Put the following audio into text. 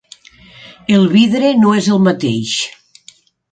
El vidre no és el mateix.